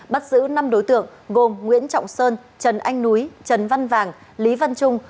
bắt giữ năm đối tượng gồm nguyễn trọng sơn trần anh núi trần văn vàng lý văn trung